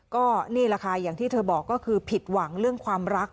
ก็นี่แหละค่ะอย่างที่เธอบอกก็คือผิดหวังเรื่องความรัก